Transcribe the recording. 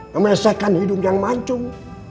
memesekkan hidung yang mancung